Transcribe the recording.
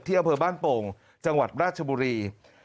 อำเภอบ้านโป่งจังหวัดราชบุรี